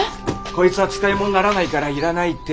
こいつは使い物にならないからいらないって。